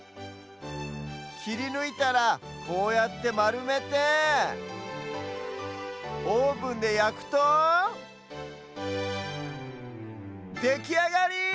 きりぬいたらこうやってまるめてオーブンでやくとできあがり！